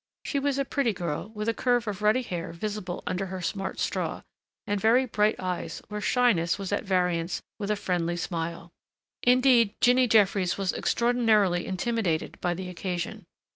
She was a pretty girl, with a curve of ruddy hair visible under her smart straw, and very bright eyes, where shyness was at variance with a friendly smile. Indeed Jinny Jeffries was extraordinarily intimidated by the occasion.